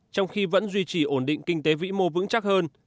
trong khi vẫn duy trì ổn định kinh tế vĩ mô vững chắc hơn